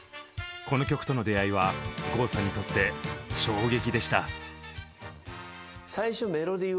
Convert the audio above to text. この曲との出会いは郷さんにとって衝撃でした。